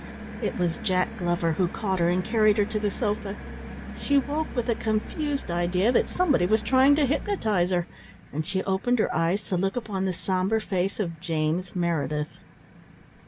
It was Jack Glover who caught her and carried her to the sofa. She woke with a confused idea that somebody was trying to hypnotise her, and she opened her eyes to look upon the sombre face of James Meredith.